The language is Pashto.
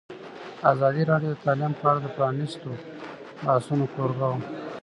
ازادي راډیو د تعلیم په اړه د پرانیستو بحثونو کوربه وه.